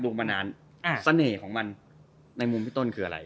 มานานเสน่ห์ของมันในมุมพี่ต้นคืออะไร